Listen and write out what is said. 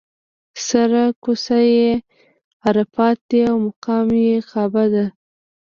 سر کوڅه یې عرفات دی او مقام یې کعبه.